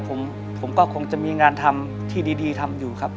ผมก็คงจะมีงานทำที่ดีทำอยู่ครับ